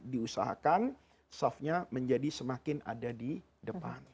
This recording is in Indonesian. diusahakan softnya menjadi semakin ada di depan